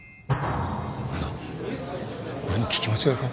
何だ俺の聞き間違いか？